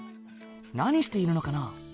何しているのかな？